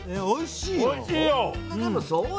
おいしいよ。